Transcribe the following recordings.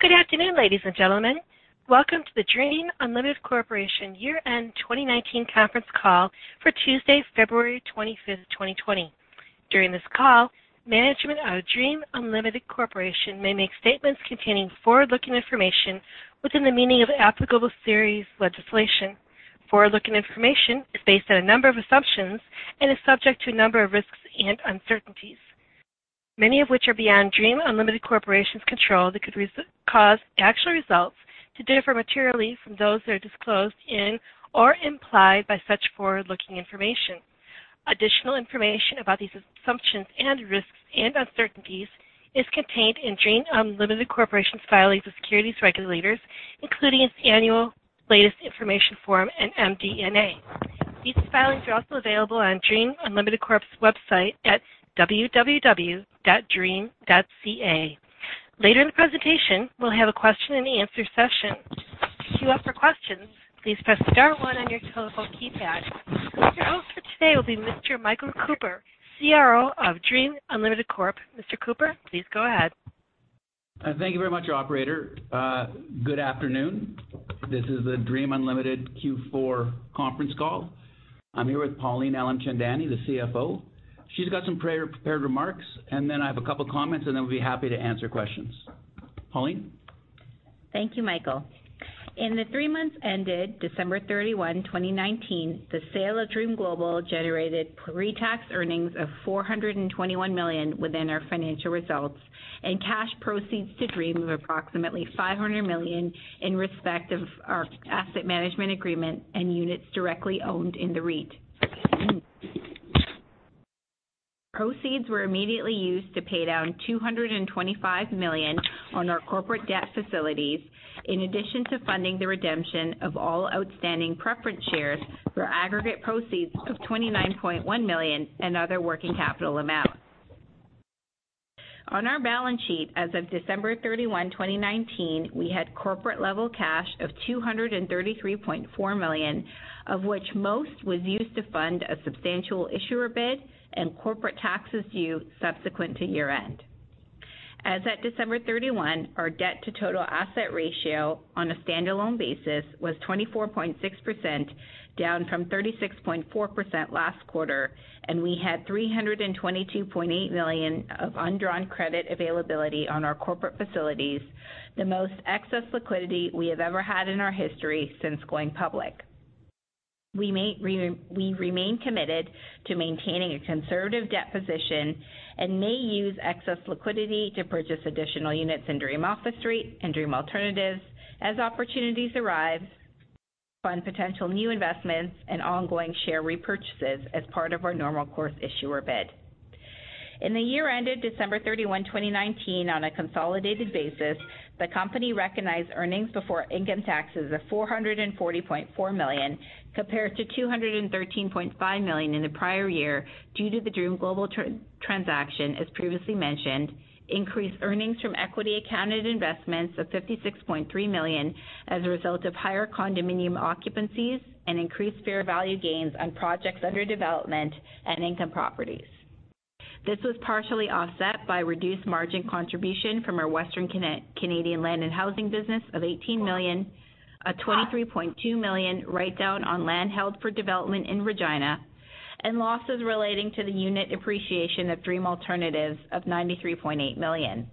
Good afternoon, ladies and gentlemen. Welcome to the Dream Unlimited Corporation year-end 2019 conference call for Tuesday, February 25, 2020. During this call, management out of Dream Unlimited Corporation may make statements containing forward-looking information within the meaning of applicable securities legislation. Forward-looking information is based on a number of assumptions and is subject to a number of risks and uncertainties, many of which are beyond Dream Unlimited Corporation's control, that could cause actual results to differ materially from those that are disclosed in or implied by such forward-looking information. Additional information about these assumptions and risks and uncertainties is contained in Dream Unlimited Corporation's filings with securities regulators, including its annual information form and MD&A. These filings are also available on Dream Unlimited Corp.'s website at www.dream.ca. Later in the presentation, we'll have a question and answer session. To queue up for questions, please press star one on your telephone keypad. Your host for today will be Mr. Michael Cooper, CRO of Dream Unlimited Corp. Mr. Cooper, please go ahead. Thank you very much, operator. Good afternoon. This is the Dream Unlimited Q4 conference call. I'm here with Pauline Alimchandani, the CFO. She's got some prepared remarks, and then I have a couple of comments, and then we'll be happy to answer questions. Pauline. Thank you, Michael. In the three months ended December 31, 2019, the sale of Dream Global generated pre-tax earnings of 421 million within our financial results and cash proceeds to Dream of approximately 500 million in respect of our asset management agreement and units directly owned in the REIT. Proceeds were immediately used to pay down 225 million on our corporate debt facilities, in addition to funding the redemption of all outstanding preference shares for aggregate proceeds of 29.1 million and other working capital amounts. On our balance sheet as of December 31, 2019, we had corporate level cash of 233.4 million, of which most was used to fund a substantial issuer bid and corporate taxes due subsequent to year-end. As at December 31, our debt to total asset ratio on a standalone basis was 24.6%, down from 36.4% last quarter, and we had 322.8 million of undrawn credit availability on our corporate facilities, the most excess liquidity we have ever had in our history since going public. We remain committed to maintaining a conservative debt position and may use excess liquidity to purchase additional units in Dream Office REIT and Dream Alternatives as opportunities arise, fund potential new investments, and ongoing share repurchases as part of our normal course issuer bid. In the year ended December 31, 2019, on a consolidated basis, the company recognized earnings before income taxes of 440.4 million, compared to 213.5 million in the prior year, due to the Dream Global transaction, as previously mentioned. Increased earnings from equity accounted investments of 56.3 million as a result of higher condominium occupancies and increased fair value gains on projects under development and income properties. This was partially offset by reduced margin contribution from our Western Canada Community Development Division of 18 million, a 23.2 million write-down on land held for development in Regina, and losses relating to the unit depreciation of Dream Alternatives of 93.8 million.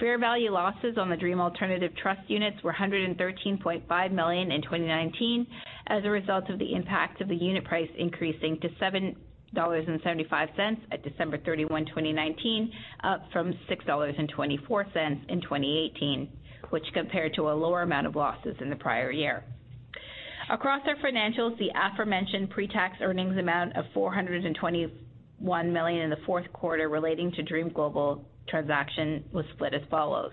Fair value losses on the Dream Alternatives Trust units were 113.5 million in 2019 as a result of the impact of the unit price increasing to 7.75 dollars at December 31, 2019, up from 6.24 dollars in 2018, which compared to a lower amount of losses in the prior year. Across our financials, the aforementioned pre-tax earnings amount of 421 million in the fourth quarter relating to Dream Global transaction was split as follows.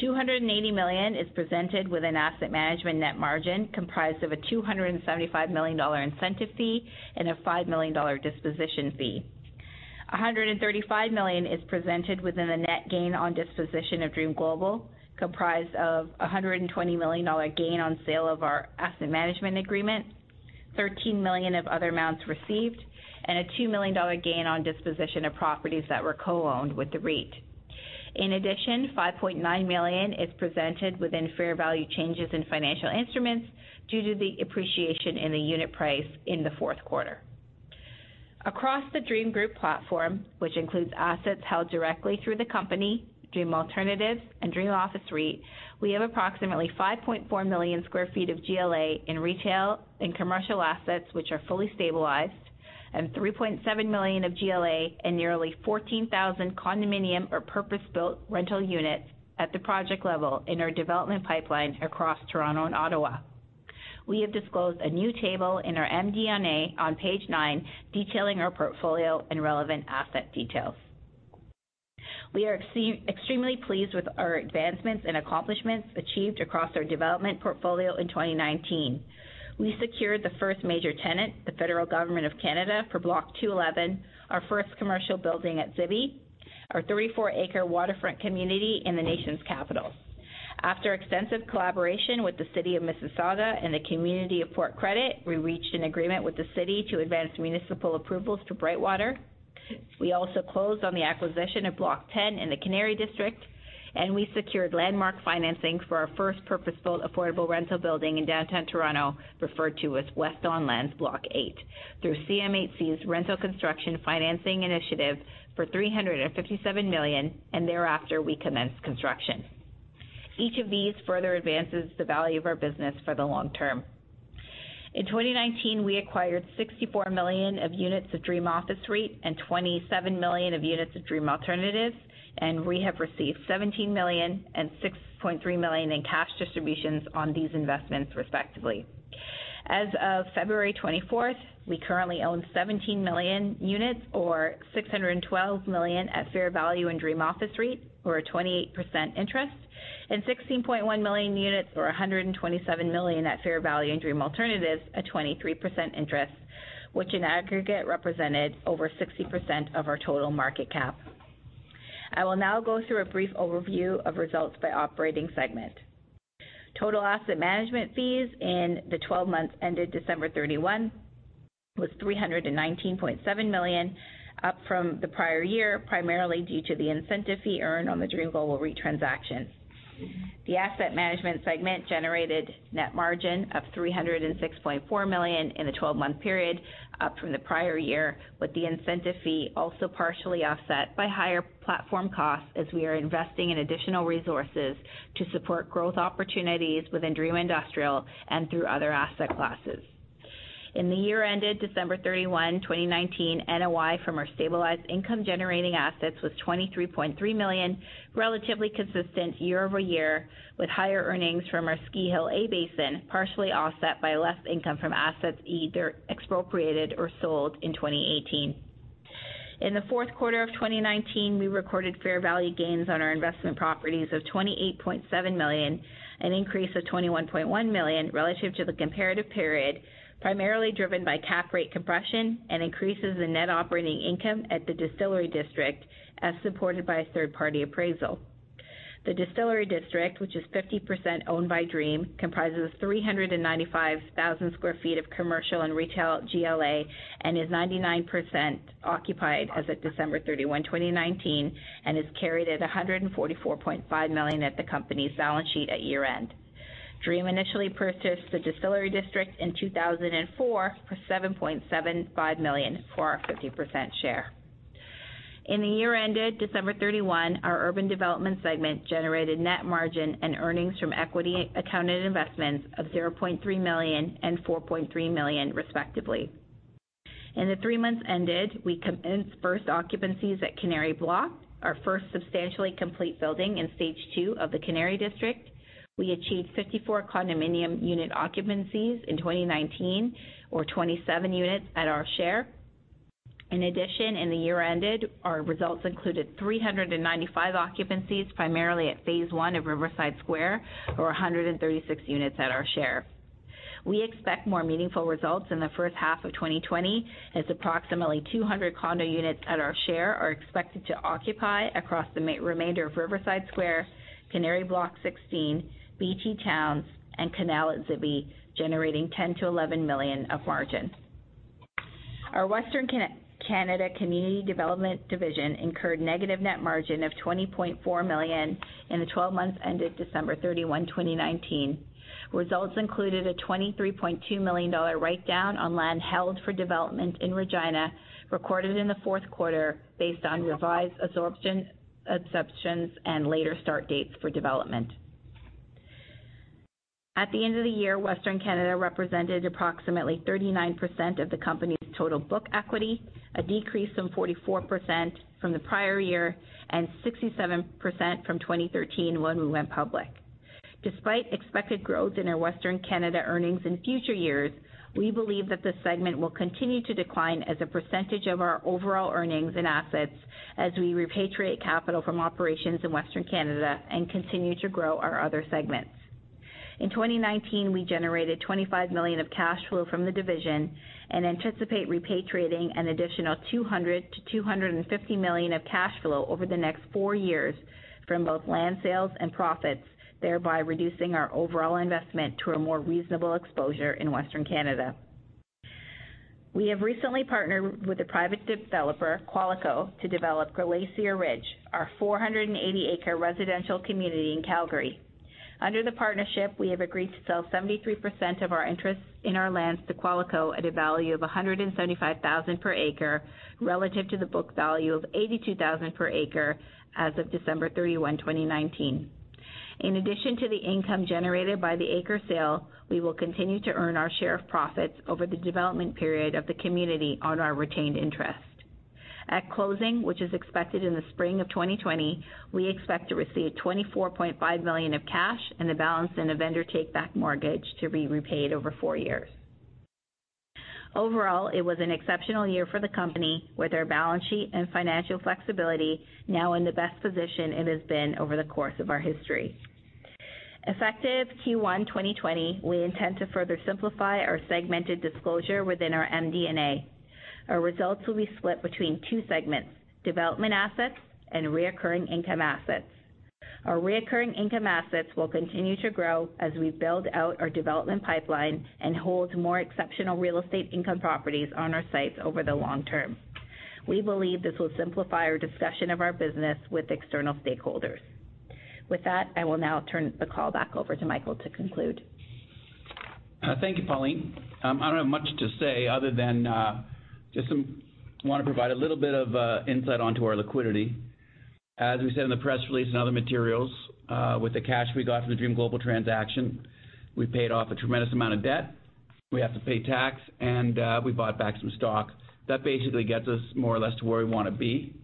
280 million is presented with an asset management net margin comprised of a 275 million dollar incentive fee and a 5 million dollar disposition fee. 135 million is presented within the net gain on disposition of Dream Global, comprised of a $120 million gain on sale of our asset management agreement, 13 million of other amounts received, and a $2 million gain on disposition of properties that were co-owned with the REIT. 5.9 million is presented within fair value changes in financial instruments due to the appreciation in the unit price in the fourth quarter. Across the Dream Group platform, which includes assets held directly through the company, Dream Alternatives and Dream Office REIT, we have approximately 5.4 million sq ft of GLA in retail and commercial assets, which are fully stabilized, and 3.7 million of GLA and nearly 14,000 condominium or purpose-built rental units at the project level in our development pipeline across Toronto and Ottawa. We have disclosed a new table in our MD&A on page nine detailing our portfolio and relevant asset details. We are extremely pleased with our advancements and accomplishments achieved across our development portfolio in 2019. We secured the first major tenant, the Government of Canada, for Block 211, our first commercial building at Zibi, our 34-acre waterfront community in the nation's capital. After extensive collaboration with the City of Mississauga and the community of Port Credit, we reached an agreement with the city to advance municipal approvals to Brightwater. We also closed on the acquisition of Block 10 in the Canary District, and we secured landmark financing for our first purpose-built affordable rental building in downtown Toronto, referred to as West Don Lands Block 8, through CMHC's Rental Construction Financing Initiative for 357 million, and thereafter, we commenced construction. Each of these further advances the value of our business for the long term. In 2019, we acquired 64 million of units of Dream Office REIT and 27 million of units of Dream Alternatives, and we have received 17 million and 6.3 million in cash distributions on these investments, respectively. As of February 24th, we currently own 17 million units, or 612 million at fair value in Dream Office REIT, or a 28% interest, and 16.1 million units, or 127 million at fair value in Dream Alternatives, a 23% interest, which in aggregate represented over 60% of our total market cap. I will now go through a brief overview of results by operating segment. Total asset management fees in the 12 months ended December 31 was 319.7 million, up from the prior year, primarily due to the incentive fee earned on the Dream Global REIT transaction. The asset management segment generated net margin of 306.4 million in the 12-month period, up from the prior year, with the incentive fee also partially offset by higher platform costs as we are investing in additional resources to support growth opportunities within Dream Industrial and through other asset classes. In the year ended December 31, 2019, NOI from our stabilized income-generating assets was 23.3 million, relatively consistent year-over-year, with higher earnings from our Ski Hill A-Basin, partially offset by less income from assets either expropriated or sold in 2018. In the fourth quarter of 2019, we recorded fair value gains on our investment properties of 28.7 million, an increase of 21.1 million relative to the comparative period, primarily driven by cap rate compression and increases in net operating income at the Distillery District, as supported by a third-party appraisal. The Distillery District, which is 50% owned by Dream, comprises 395,000 sq ft of commercial and retail GLA and is 99% occupied as at December 31, 2019 and is carried at 144.5 million at the company's balance sheet at year-end. DREAM initially purchased the Distillery District in 2004 for 7.75 million for our 50% share. In the year ended December 31, our urban development segment generated net margin and earnings from equity accounted investments of 0.3 million and 4.3 million, respectively. In the three months ended, we commenced first occupancies at Canary Block, our first substantially complete building in stage two of the Canary District. We achieved 54 condominium unit occupancies in 2019, or 27 units at our share. In addition, in the year ended, our results included 395 occupancies, primarily at phase I of Riverside Square or 136 units at our share. We expect more meaningful results in the first half of 2020 as approximately 200 condo units at our share are expected to occupy across the remainder of Riverside Square, Canary Block 16, BT Towns, and Canal at Zibi, generating 10 million-11 million of margin. Our Western Canada Community Development Division incurred negative net margin of 20.4 million in the 12 months ended December 31, 2019. Results included a 23.2 million dollar write-down on land held for development in Regina, recorded in the fourth quarter based on revised assumptions and later start dates for development. At the end of the year, Western Canada represented approximately 39% of the company's total book equity, a decrease from 44% from the prior year and 67% from 2013, when we went public. Despite expected growth in our Western Canada earnings in future years, we believe that the segment will continue to decline as a percentage of our overall earnings and assets as we repatriate capital from operations in Western Canada and continue to grow our other segments. In 2019, we generated 25 million of cash flow from the division and anticipate repatriating an additional 200 million-250 million of cash flow over the next four years from both land sales and profits, thereby reducing our overall investment to a more reasonable exposure in Western Canada. We have recently partnered with a private developer, Qualico, to develop Glacier Ridge, our 480-acre residential community in Calgary. Under the partnership, we have agreed to sell 73% of our interests in our lands to Qualico at a value of 175,000 per acre relative to the book value of 82,000 per acre as of December 31, 2019. In addition to the income generated by the acre sale, we will continue to earn our share of profits over the development period of the community on our retained interest. At closing, which is expected in the spring of 2020, we expect to receive 24.5 million of cash and the balance in a vendor take-back mortgage to be repaid over four years. Overall, it was an exceptional year for the company with our balance sheet and financial flexibility now in the best position it has been over the course of our history. Effective Q1 2020, we intend to further simplify our segmented disclosure within our MD&A. Our results will be split between two segments, development assets and reoccurring income assets. Our recurring income assets will continue to grow as we build out our development pipeline and hold more exceptional real estate income properties on our sites over the long term. We believe this will simplify our discussion of our business with external stakeholders. With that, I will now turn the call back over to Michael to conclude. Thank you, Pauline. I don't have much to say other than just want to provide a little bit of insight onto our liquidity. As we said in the press release and other materials, with the cash we got from the Dream Global transaction, we paid off a tremendous amount of debt, we have to pay tax, and we bought back some stock. That basically gets us more or less to where we want to be.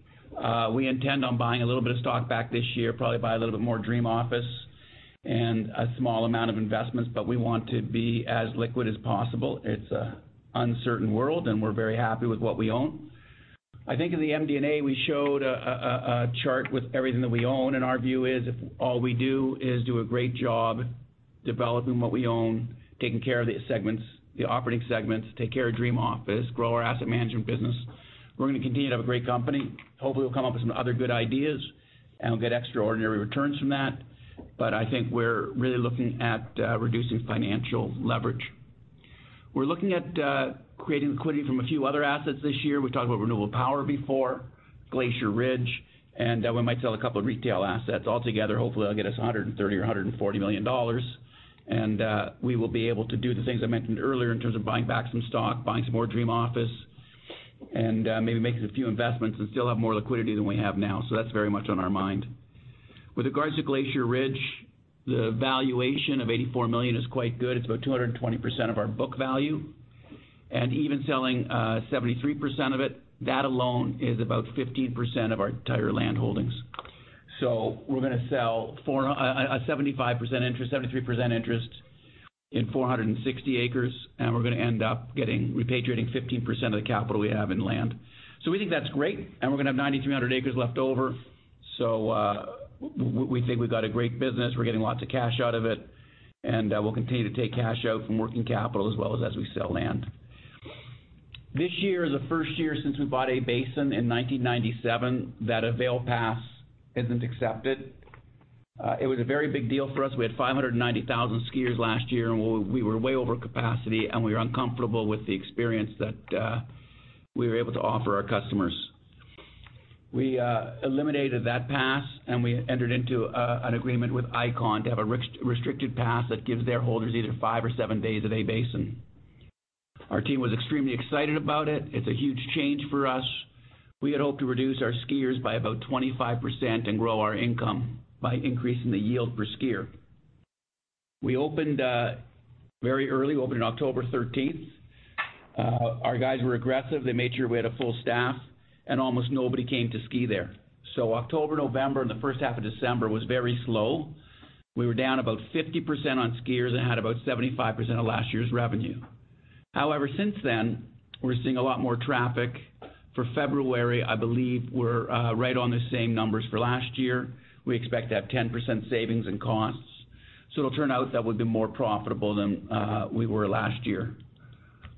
We intend on buying a little bit of stock back this year. Probably buy a little bit more Dream Office and a small amount of investments, but we want to be as liquid as possible. It's an uncertain world, and we're very happy with what we own. I think in the MD&A, we showed a chart with everything that we own, and our view is if all we do is do a great job developing what we own, taking care of the operating segments, take care of Dream Office, grow our asset management business, we're going to continue to have a great company. Hopefully, we'll come up with some other good ideas, and we'll get extraordinary returns from that. I think we're really looking at reducing financial leverage. We're looking at creating liquidity from a few other assets this year. We've talked about renewable power before, Glacier Ridge, and we might sell a couple of retail assets. Altogether, hopefully that'll get us $130 million or $140 million. We will be able to do the things I mentioned earlier in terms of buying back some stock, buying some more Dream Office, and maybe making a few investments and still have more liquidity than we have now. That's very much on our mind. With regards to Glacier Ridge, the valuation of 84 million is quite good. It's about 220% of our book value. Even selling 73% of it, that alone is about 15% of our entire land holdings. We're going to sell a 75%, 73% interest in 460 acres, and we're going to end up repatriating 15% of the capital we have in land. We think that's great, and we're going to have 9,300 acres left over. We think we've got a great business. We're getting lots of cash out of it, and we'll continue to take cash out from working capital as well as we sell land. This year is the first year since we bought A-Basin in 1997 that a Vail pass isn't accepted. It was a very big deal for us. We had 590,000 skiers last year, and we were way over capacity, and we were uncomfortable with the experience that we were able to offer our customers. We eliminated that pass, and we entered into an agreement with Ikon to have a restricted pass that gives their holders either five or seven days at A-Basin. Our team was extremely excited about it it's a huge change for us. We had hoped to reduce our skiers by about 25% and grow our income by increasing the yield per skier. We opened very early, opened October 13th our guys were aggressive. They made sure we had a full staff, almost nobody came to ski there. October, November, and the first half of December was very slow. We were down about 50% on skiers and had about 75% of last year's revenue. However, since then, we're seeing a lot more traffic. For February, I believe we're right on the same numbers for last year. We expect to have 10% savings in costs. It'll turn out that we'll be more profitable than we were last year.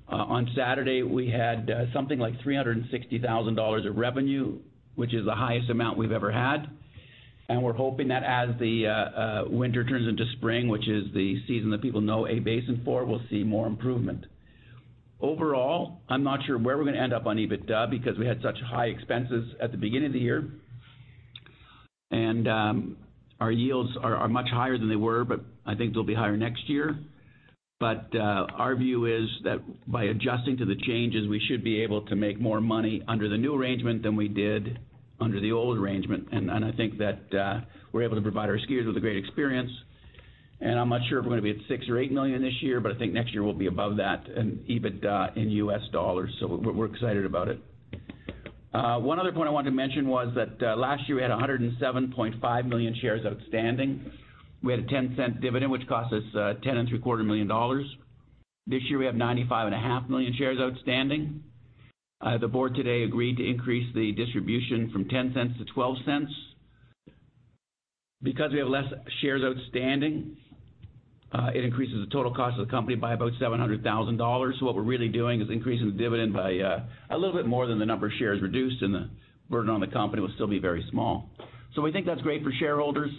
On Saturday, we had something like $360,000 of revenue, which is the highest amount we've ever had. We're hoping that as the winter turns into spring, which is the season that people know A-Basin for, we'll see more improvement. Overall, I'm not sure where we're going to end up on EBITDA because we had such high expenses at the beginning of the year. Our yields are much higher than they were, but I think they will be higher next year. Our view is that by adjusting to the changes, we should be able to make more money under the new arrangement than we did under the old arrangement. I think that we are able to provide our skiers with a great experience. I am not sure if we are going to be at 6 million or 8 million this year, but I think next year we will be above that in EBITDA in US dollars. We are excited about it. One other point I wanted to mention was that last year we had 107.5 million shares outstanding. We had a 0.10 dividend, which cost us 10.75 million dollars. This year, we have 95.5 million shares outstanding. The board today agreed to increase the distribution from 0.10-0.12. We have less shares outstanding, it increases the total cost of the company by about 700,000 dollars. What we're really doing is increasing the dividend by a little bit more than the number of shares reduced, and the burden on the company will still be very small. We think that's great for shareholders,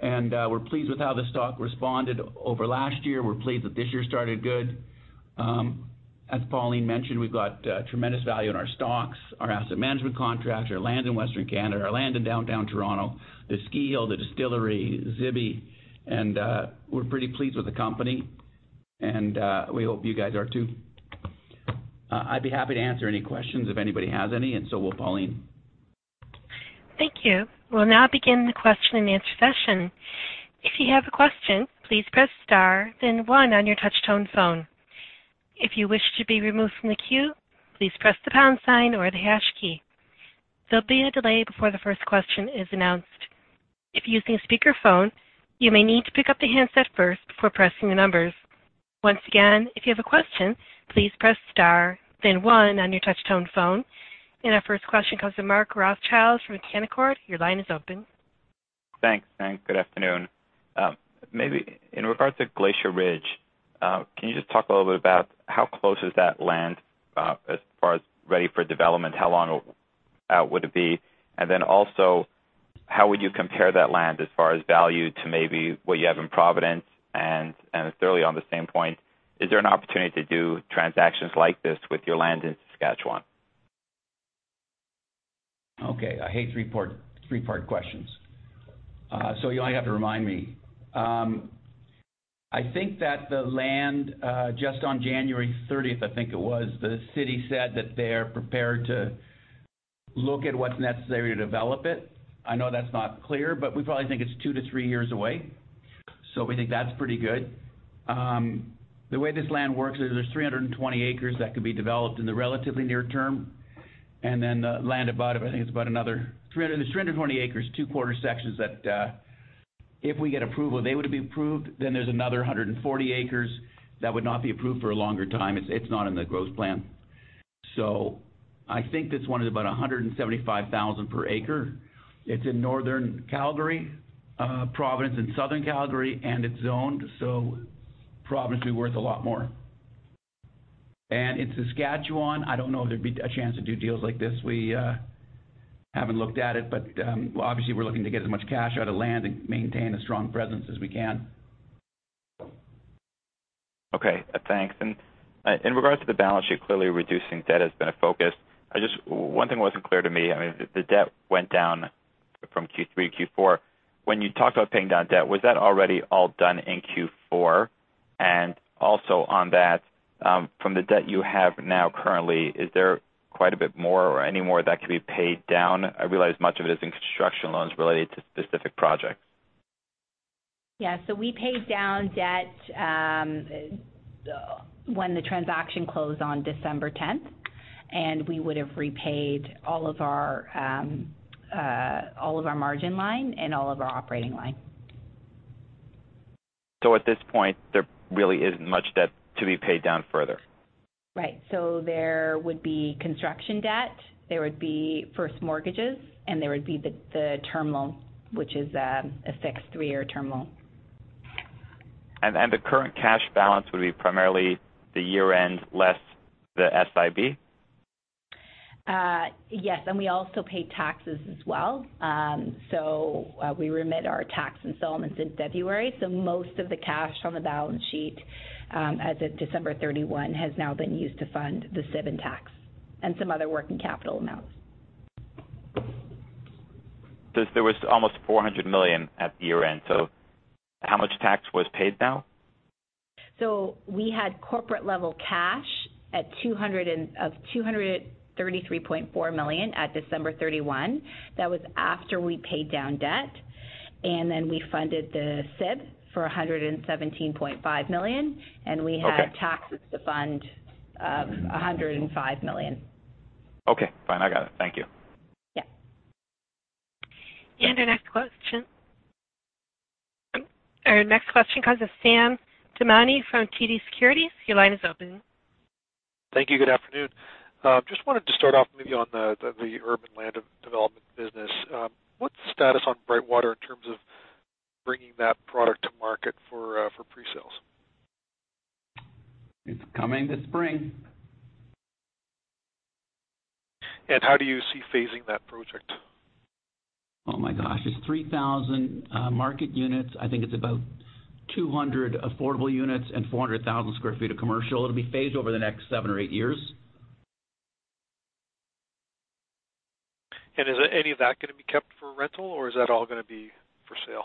and we're pleased with how the stock responded over last year. We're pleased that this year started good. As Pauline mentioned, we've got tremendous value in our stocks, our asset management contracts, our land in Western Canada, our land in downtown Toronto, the ski hill, the distillery, Zibi, and we're pretty pleased with the company. We hope you guys are too. I'd be happy to answer any questions if anybody has any, and so will Pauline. Thank you. We'll now begin the question and answer session. If you have a question, please press star then 1 on your touch tone phone. If you wish to be removed from the queue, please press the pound sign or the hash key. There'll be a delay before the first question is announced. If using a speakerphone, you may need to pick up the handset first before pressing the numbers. Once again, if you have a question, please press star then 1 on your touch tone phone. Our first question comes from Mark Rothschild from Canaccord. Your line is open. Thanks. Good afternoon. Maybe in regards to Glacier Ridge, can you just talk a little bit about how close is that land as far as ready for development? How long out would it be? How would you compare that land as far as value to maybe what you have in Providence? Is there an opportunity to do transactions like this with your land in Saskatchewan? Okay. I hate three-part questions, so you'll have to remind me. I think that the land, just on January 30th, I think it was, the city said that they're prepared to look at what's necessary to develop it. I know that's not clear, but we probably think it's two to three years away, so we think that's pretty good. The way this land works is there's 320 acres that could be developed in the relatively near term, and then the land about, I think it's about another 300. There's 320 acres, two quarter sections that, if we get approval, they would be approved. There's another 140 acres that would not be approved for a longer time. It's not in the growth plan. I think this one is about 175,000 per acre. It's in northern Calgary, Providence in southern Calgary, and it's zoned, so Providence will be worth a lot more. In Saskatchewan, I don't know if there'd be a chance to do deals like this. We haven't looked at it, but obviously, we're looking to get as much cash out of land and maintain as strong a presence as we can. Okay, thanks. In regards to the balance sheet, clearly reducing debt has been a focus. Just one thing wasn't clear to me, the debt went down from Q3 to Q4. When you talked about paying down debt, was that already all done in Q4? Also on that, from the debt you have now currently, is there quite a bit more or any more that could be paid down? I realize much of it is in construction loans related to specific projects. Yeah. We paid down debt when the transaction closed on December 10th, and we would've repaid all of our margin line and all of our operating line. At this point, there really isn't much debt to be paid down further. Right. There would be construction debt, there would be first mortgages, and there would be the term loan, which is a fixed three-year term loan. The current cash balance would be primarily the year-end less the SIB? Yes. We also paid taxes as well. We remit our tax installments in February, so most of the cash on the balance sheet, as of December 31, has now been used to fund the SIB and tax and some other working capital amounts. There was almost 400 million at the year-end. How much tax was paid now? We had corporate-level cash of 233.4 million at December 31. That was after we paid down debt. We funded the SIB for 117.5 million. Okay. We had taxes to fund of 105 million. Okay, fine. I got it. Thank you. Yeah. Our next question comes from Sam Damiani from TD Securities. Your line is open. Thank you. Good afternoon. Just wanted to start off maybe on the urban land development business. What's the status on Brightwater in terms of bringing that product to market for pre-sales? It's coming this spring. How do you see phasing that project? Oh, my gosh. It's 3,000 market units. I think it's about 200 affordable units and 400,000 sq ft of commercial. It'll be phased over the next seven or eight years. Is any of that going to be kept for rental, or is that all going to be for sale?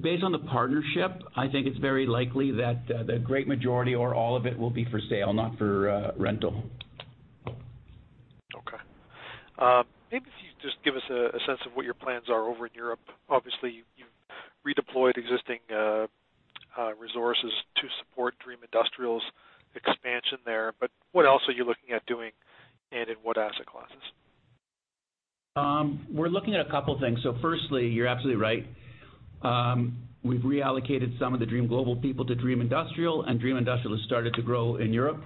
Based on the partnership, I think it's very likely that the great majority or all of it will be for sale, not for rental. Okay. Maybe if you could just give us a sense of what your plans are over in Europe. Obviously, you've redeployed existing resources to support Dream Industrial's expansion there, but what else are you looking at doing, and in what asset classes? We're looking at a couple things. Firstly, you're absolutely right. We've reallocated some of the Dream Global people to Dream Industrial, and Dream Industrial has started to grow in Europe.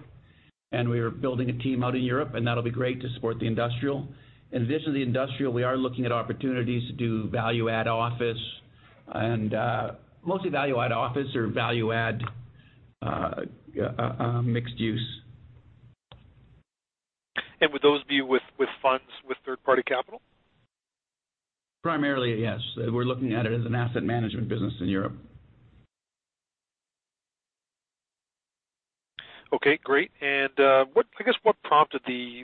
We are building a team out in Europe, and that'll be great to support the industrial. In addition to the industrial, we are looking at opportunities to do value-add office. Mostly value-add office or value-add mixed use. Would those be with funds, with third-party capital? Primarily, yes. We're looking at it as an asset management business in Europe. Okay, great. I guess what prompted the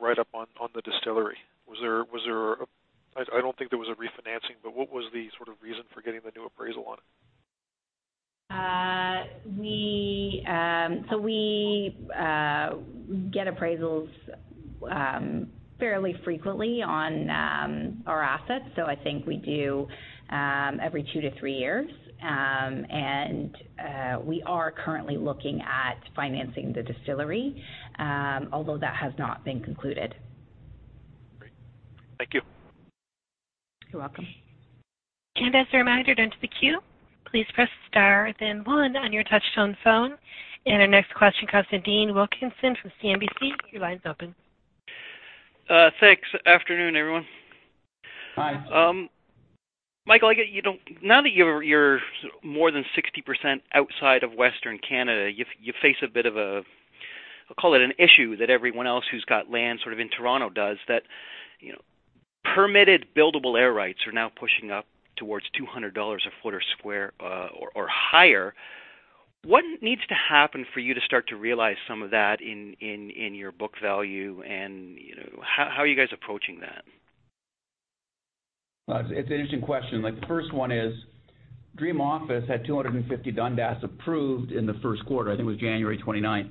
write-up on the distillery? I don't think there was a refinancing, but what was the sort of reason for getting the new appraisal on it? We get appraisals fairly frequently on our assets. I think we do every two to three years. We are currently looking at financing the distillery, although that has not been concluded. Great. Thank you. You're welcome. As a reminder, to enter the queue, please press star then one on your touchtone phone. Our next question comes from Dean Wilkinson from CIBC. Your line's open. Thanks. Afternoon, everyone. Hi. Michael, now that you're more than 60% outside of Western Canada, you face a bit of a, I'll call it an issue that everyone else who's got land sort of in Toronto does, that permitted buildable air rights are now pushing up towards $200 a foot or square or higher. What needs to happen for you to start to realize some of that in your book value, and how are you guys approaching that? Well, it's an interesting question. The first one is Dream Office had 250 Dundas approved in the first quarter. I think it was January 29th.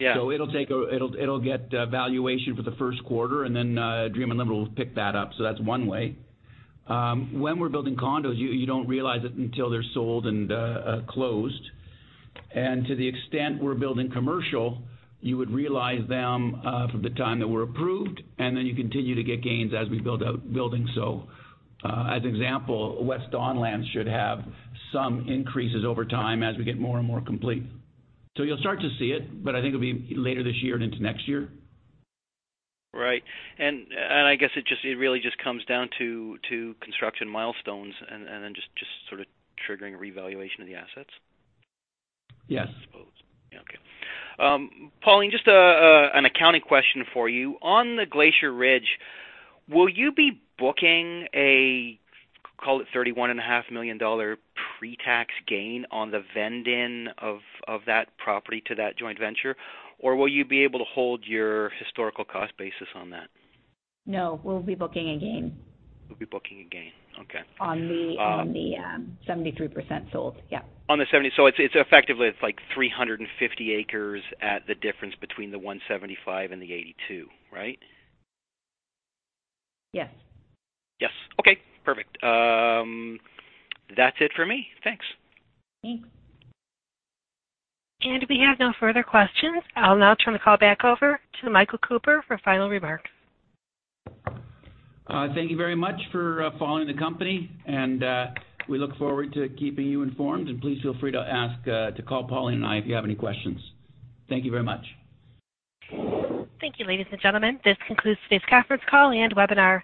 Yeah. It'll get valuation for the first quarter, and then Dream Unlimited will pick that up. That's one way. When we're building condos, you don't realize it until they're sold and closed. To the extent we're building commercial, you would realize them from the time that we're approved, and then you continue to get gains as we build out buildings. As an example, West Don Lands should have some increases over time as we get more and more complete. You'll start to see it, but I think it'll be later this year and into next year. Right. I guess it really just comes down to construction milestones and then just sort of triggering a revaluation of the assets. Yes. I suppose. Yeah. Okay. Pauline, just an accounting question for you. On the Glacier Ridge, will you be booking a, call it 31.5 million dollar pre-tax gain on the vend-in of that property to that joint venture, or will you be able to hold your historical cost basis on that? No, we'll be booking a gain. You'll be booking a gain. Okay. On the 73% sold. Yep. Effectively, it's 350 acres at the difference between the 175 and the 82, right? Yes. Yes. Okay, perfect. That's it for me. Thanks. We have no further questions. I'll now turn the call back over to Michael Cooper for final remarks. Thank you very much for following the company, and we look forward to keeping you informed. Please feel free to call Pauline and I if you have any questions. Thank you very much. Thank you, ladies and gentlemen. This concludes today's conference call and webinar.